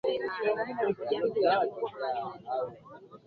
unajua kwanzaa aa kitu kimoja ambacho tunastahili kuelewa ni kwambaa walikwama